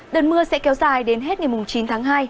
đợt mưa sẽ kéo dài đến hết ngày chín tháng hai